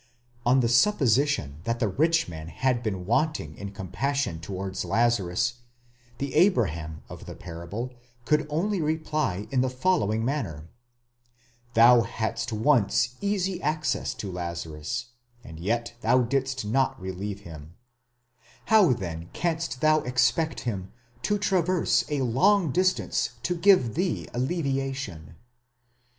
On the supposition that the rich man had been wanting in compassion towards Lazarus, the Abraham of the parable could only reply in the following man ner: "Thou hadst once easy access to Lazarus, and yet thou didst not relieve him ; how then canst thou expect him to traverse a long distance to give thee alleviation?"